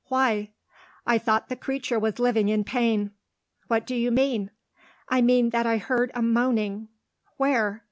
"Why?" "I thought the creature was living in pain." "What do you mean?" "I mean that I heard a moaning " "Where?"